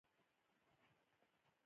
چای د یار له لاسه خوږ وي